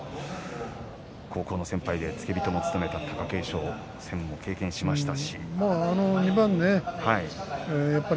高校の先輩付き人を務めた貴景勝に善戦しました。